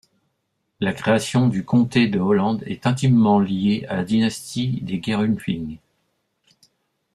La création du comté de Hollande est intimement liée à la dynastie des Gerulfing.